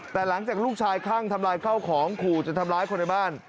แต่หลังจากลูกชายคลั่งทำลายข้าวของขู่จะทำร้ายคนในบ้าน